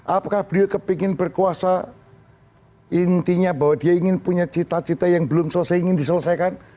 apakah beliau kepingin berkuasa intinya bahwa dia ingin punya cita cita yang belum selesai ingin diselesaikan